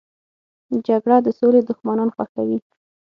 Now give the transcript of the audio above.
جګړه د سولې دښمنان خوښوي